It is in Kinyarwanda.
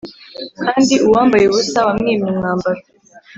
kandi uwambaye ubusa wamwimye umwambaro